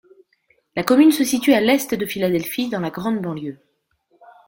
La commune se situe à l'est de Philadelphie, dans la grande banlieue.